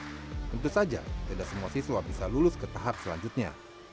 tentu saja tidak semua siswa bisa lulus ke tahap selanjutnya